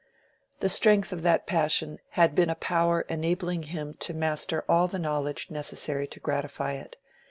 The strength of that passion had been a power enabling him to master all the knowledge necessary to gratify it.